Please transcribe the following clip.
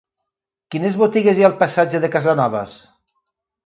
Quines botigues hi ha al passatge de Casanovas?